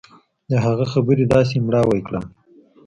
د هغه خبرې داسې مړاوى کړم.